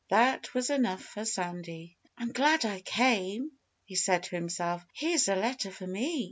That was enough for Sandy. "I'm glad I came!" he said to himself. "Here's a letter for me!